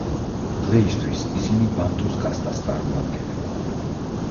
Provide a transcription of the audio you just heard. დღეისთვის ისინი ბანტუს კასტას წარმოადგენენ.